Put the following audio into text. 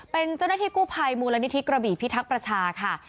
เป็นเจ้าหน้าที่กู้ภัยมูลนิธิกระบี่พิทักษ์ประชาค่ะ